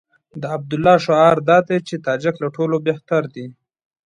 د عبدالله شعار دا دی چې تاجک له ټولو بهتر دي.